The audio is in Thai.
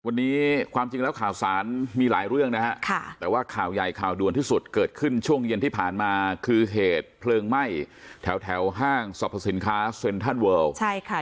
วันนี้ความจริงแล้วข่าวสารมีหลายเรื่องนะฮะค่ะแต่ว่าข่าวใหญ่ข่าวด่วนที่สุดเกิดขึ้นช่วงเย็นที่ผ่านมาคือเหตุเพลิงไหม้แถวแถวห้างสรรพสินค้าเซ็นทรัลเวิลใช่ค่ะ